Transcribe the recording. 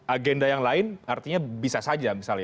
agenda yang lain artinya bisa saja misalnya